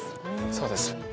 そうです。